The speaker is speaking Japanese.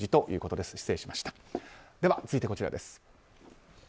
では続いてこちらです。